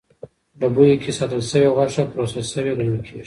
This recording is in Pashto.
ډبیو کې ساتل شوې غوښه د پروسس شوې ګڼل کېږي.